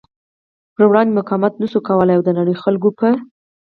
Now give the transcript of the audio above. پر وړاندې مقاومت نشو کولی او د نړۍ خلکو په